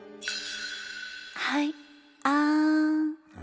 はいあん。